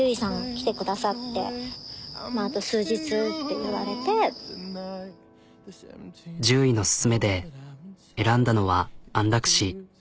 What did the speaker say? もうまあ獣医のすすめで選んだのは安楽死。